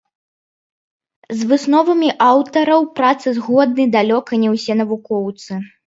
З высновамі аўтараў працы згодны далёка не ўсе навукоўцы.